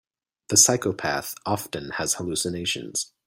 The psychopath often has hallucinations.